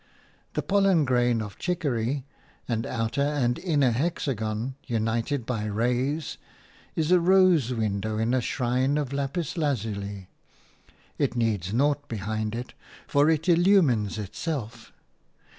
The pollen grain of chicory – an outer and inner hexagon united by rays – is a rose window in a shrine of lapis lazuli. It needs nought behind it, for it illumines itself.